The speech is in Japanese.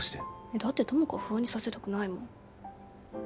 だって友果を不安にさせたくないもん